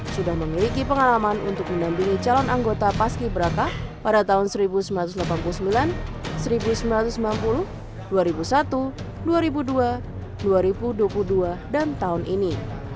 sudah memiliki pengalaman untuk mendampingi calon anggota paski beraka pada tahun seribu sembilan ratus delapan puluh sembilan seribu sembilan ratus sembilan puluh dua ribu satu dua ribu dua dua ribu dua puluh dua dan tahun ini